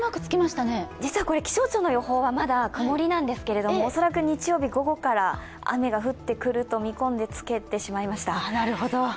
実は気象庁の予報はまだ曇りなんですけれども、恐らく日曜日午後から雨が降ってくると見込んで雨マークをつけてしまいました。